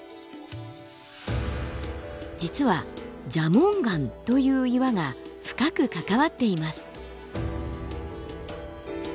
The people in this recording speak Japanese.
実は蛇紋岩という岩が深く関わっています。